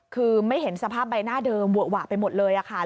คือไม่เห็นสภาพใบหน้าเดิมเวอะหวะไปหมดเลยค่ะ